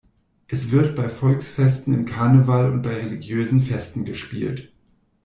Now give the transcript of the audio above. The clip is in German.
Es wird bei Volksfesten, im Karneval und bei religiösen Festen gespielt.